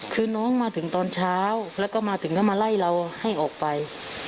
คือน้องมาถึงตอนเช้าแล้วก็มาถึงก็มาไล่เราให้ออกไป